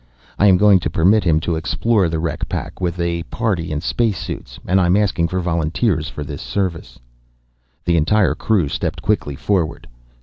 I am going to permit him to explore the wreck pack with a party in space suits, and I am asking for volunteers for this service." The entire crew stepped quickly forward.